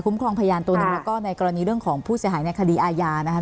ครองพยานตัวหนึ่งแล้วก็ในกรณีเรื่องของผู้เสียหายในคดีอาญานะคะ